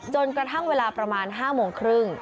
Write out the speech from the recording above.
จนกระทั่งเวลาประมาณ๕โมงครึ่ง